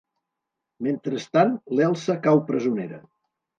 Mentrestant l'Elsa cau presonera.